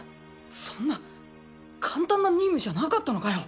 そんな簡単な任務じゃなかったのかよ？